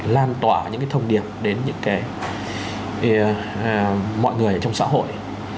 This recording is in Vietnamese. lan tỏa những cái thông điệp đến những cái mọi người trong xã hội